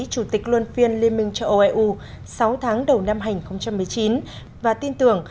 chủ tịch luân phiên liên minh châu âu eu sáu tháng đầu năm hai nghìn một mươi chín và tin tưởng